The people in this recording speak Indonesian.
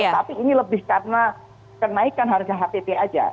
tapi ini lebih karena kenaikan harga hpp aja